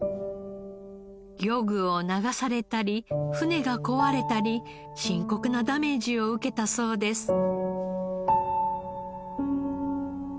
漁具を流されたり船が壊れたり深刻なダメージを受けたそうです。